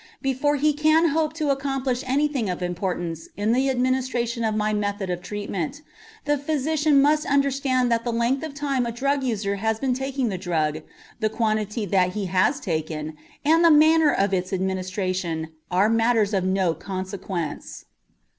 Before he can hope to accomplish anything of importance in the administration of my method of treatment, the physician must understand that the length of time a drug user has been taking the drug, the quantity that he has taken, and the manner of its administration are matters of no consequence.